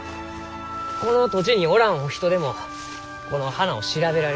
この土地におらんお人でもこの花を調べられる。